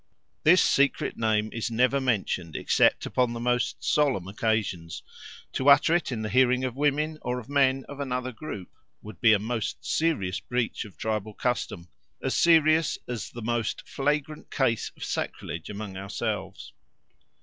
This secret name is never mentioned except upon the most solemn occasions; to utter it in the hearing of women or of men of another group would be a most serious breach of tribal custom, as serious as the most flagrant case of sacrilege among ourselves.